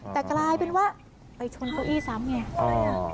แต่กลายเป็นว่าไปช้อนโต้อี้ซ้ำ